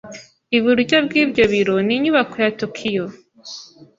Iburyo bw'ibyo biro ni Inyubako ya Tokiyo.